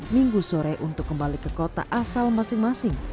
minggu sore untuk kembali ke kota asal masing masing